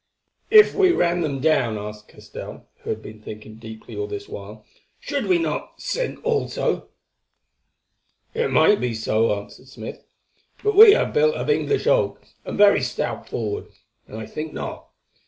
"If we ran them down," asked Castell, who had been thinking deeply all this while, "should we not sink also?" "It might be so," answered Smith; "but we are built of English oak, and very stout forward, and I think not.